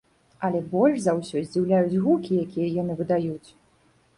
Але больш за ўсё здзіўляюць гукі, якія яны выдаюць.